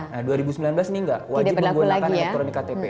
nah dua ribu sembilan belas ini nggak wajib menggunakan elektronik ktp